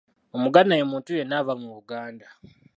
Omuganda ye muntu yenna ava mu Buganda.